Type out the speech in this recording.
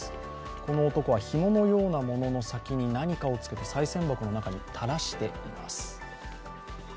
この男は、ひものようなものの先に何かをつけてさい銭箱の中に垂らしています。